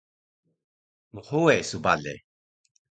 Mhuwe su bale